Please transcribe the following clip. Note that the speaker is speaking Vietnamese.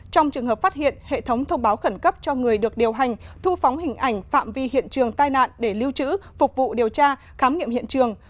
trong trường hợp phát hiện hệ thống thông báo khẩn cấp cho người được điều hành thu phóng hình ảnh phạm vi hiện trường tai nạn để lưu trữ phục vụ điều tra khám nghiệm hiện trường